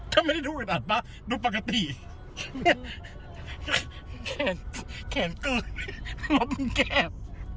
ถ้าไม่ได้ดูอุดอัดป่ะดูปกติแขนแขนกึกแล้วมึงแคบ